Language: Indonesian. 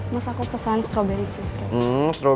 masa aku pesan strawberry cheesecake